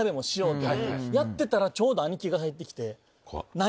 やってたらちょうど兄貴が帰ってきて。